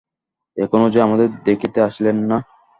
এখনও যে আমাদের দেখিতে আসিলেন না?